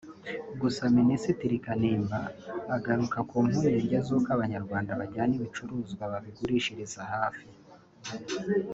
Gusa Minisitiri Kanimba agaruka ku mpungenge z’uko Abanyarwanda bajyana ibicuruzwa babigurishiriza hafi